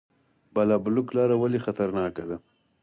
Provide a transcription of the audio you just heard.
بالابلوک لاره ولې خطرناکه ده؟